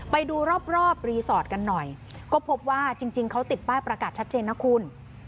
ไปดูรอบรีสอร์ทกันหน่อยก็พบว่าจริงเขาติดป้ายประกาศชัดเจนนะคุณ